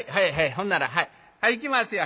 ほんならはいいきますよ。